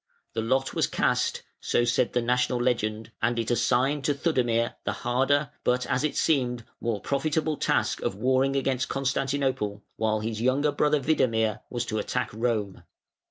The lot was cast (so said the national legend), and it assigned to Theudemir the harder but, as it seemed, more profitable task of warring against Constantinople, while his younger brother Widemir was to attack Rome.